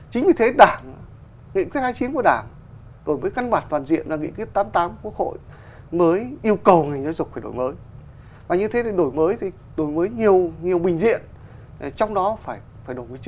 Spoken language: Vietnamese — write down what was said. chính vì thế đảng nghị quyết hai mươi chín của đảng đối với căn bản toàn diện là nghị quyết tám mươi tám quốc hội mới yêu cầu nghề giáo dục phải đổi mới